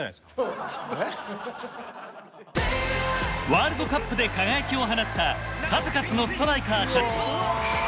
ワールドカップで輝きを放った数々のストライカーたち。